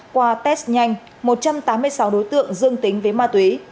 qua test nhanh một trăm tám mươi sáu đối tượng dương tính với ma túy